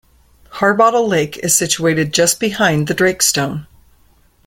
Harbottle Lake is situated just behind the Drake Stone.